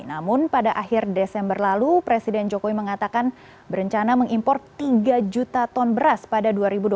namun pada akhir desember lalu presiden jokowi mengatakan berencana mengimpor tiga juta ton beras pada dua ribu dua puluh